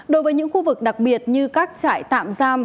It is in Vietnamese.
đối với những khu vực đặc biệt như các trại tạm giam